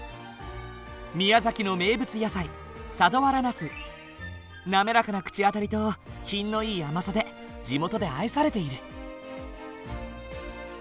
宮崎の名物野菜滑らかな口当たりと品のいい甘さで地元で愛されている。